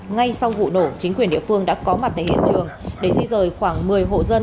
ngay sau vụ nổ chính quyền địa phương đã có mặt tại hiện trường để di rời khoảng một mươi hộ dân